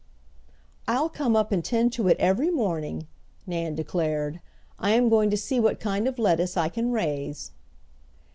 "I'll come up and tend to it every morning," Nan declared. "I am going to see what kind of lettuce I can raise."